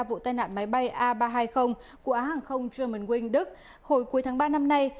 vụ tai nạn máy bay a ba trăm hai mươi của hãng hàng không jammon wing đức hồi cuối tháng ba năm nay